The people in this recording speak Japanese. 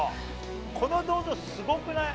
この銅像、すごくない？